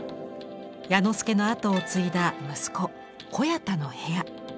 彌之助の跡を継いだ息子小彌太の部屋。